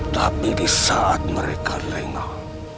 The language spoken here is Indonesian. tapi di saat mereka lengah